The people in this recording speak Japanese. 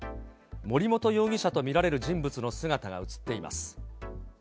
森本容疑者と見られる人物の姿が写っています。